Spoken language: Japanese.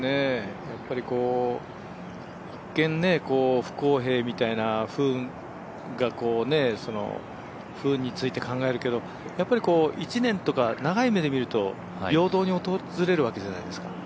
やっぱり一見、不公平みたいな不運について考えるけど一年とか長い目で見ると、平等に訪れるわけじゃないですか。